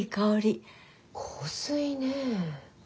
香水ねえ。